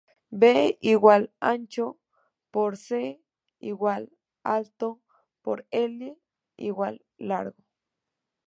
B= ancho x C=alto x L=largo.